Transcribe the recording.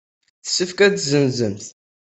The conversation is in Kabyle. Yessefk ad tt-tessenzemt.